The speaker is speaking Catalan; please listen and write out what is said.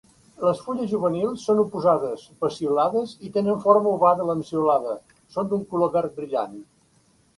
Les fulles juvenils són oposades, peciolades i tenen forma ovada-lanceolada, són d'un color verd brillant.